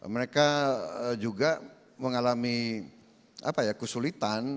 mereka juga mengalami kesulitan